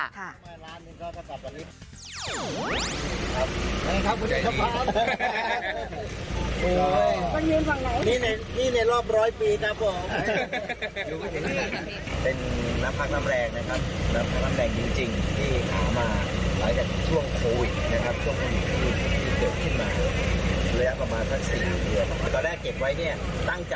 ทำไมร้านนี้ก็จะกลับไปริษฐ์